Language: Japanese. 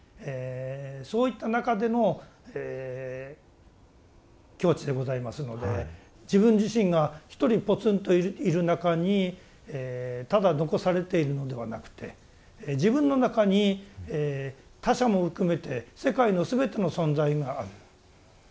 そういった中でのえ境地でございますので自分自身が一人ぽつんといる中にただ残されているのではなくて自分の中に他者も含めて世界の全ての存在がある。